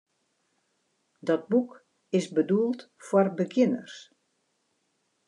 Dat boek is bedoeld foar begjinners.